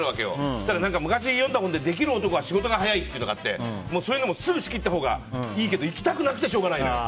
そしたら昔、読んだ本でできる男は仕事が早いっていうのがあってそういうのはすぐに仕切ったほうがいいんだけど行きたくないのよ。